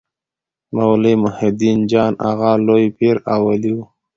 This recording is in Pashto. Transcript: مولوي محي الدین جان اغا لوی پير او ولي و.